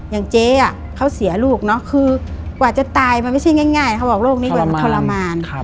อย่างเจ๊เขาเสียลูกเนาะคือกว่าจะตายมันไม่ใช่ง่ายเขาบอกโรคนี้กว่าจะทรมาน